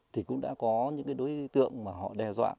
thì cũng đã có những cái đối tượng mà họ đe dọa